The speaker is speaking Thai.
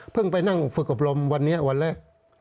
ไปนั่งฝึกอบรมวันนี้วันแรก